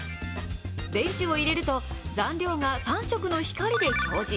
電池を入れると、残量が３色の光で表示。